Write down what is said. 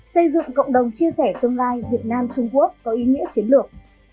xây dựng cộng đồng chia sẻ tương lai việt nam trung quốc có ý nghĩa chiến lược